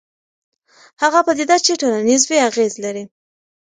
هغه پدیده چې ټولنیز وي اغېز لري.